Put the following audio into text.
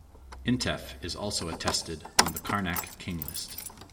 Intef is also attested on the Karnak king list.